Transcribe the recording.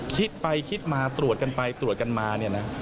คิดไปคิดมาตรวจกันไปตรวจกันมา